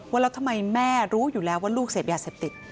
ว่าแล้วทำไมแม่รู้อยู่แล้วว่าลูกเสพยาเสพติด